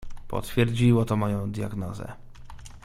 "Potwierdziło to moją diagnozę."